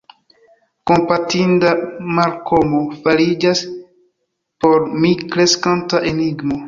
Kompatinda Malkomo fariĝas por mi kreskanta enigmo.